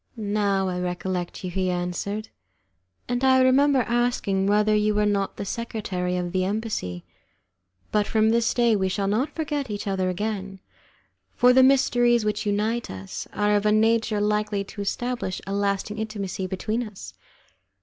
"Now I recollect you," he answered, "and I remember asking whether you were not the secretary of the embassy. But from this day we shall not forget each other again, for the mysteries which unite us are of a nature likely to establish a lasting intimacy between us."